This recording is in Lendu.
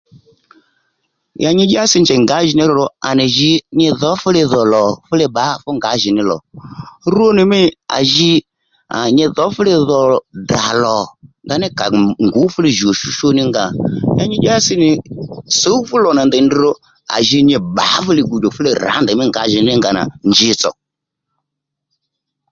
Ya nyi dyási njèy ngǎjìní lò à nì jǐ nyi dhǒ fúli dhò lò fúli bbǎ fú ngǎjìní lò rwonì mî à ji nyi dhǒ fúli dhò Ddrà lò ndaní à ngǔ fúli jùw ò shú shú ní nga ya nyi dyási nì sǔw fú lò nà ndèy drr à ji nyi bbǎ fúli gudjò fúli rǎ ndèymí ngǎjìní nga nà njitsò